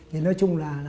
nên nói chung là